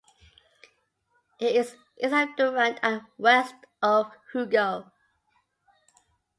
It is east of Durant and west of Hugo.